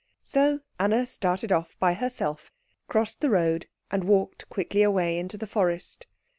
So Anna started off by herself, crossed the road, and walked quickly away into the forest.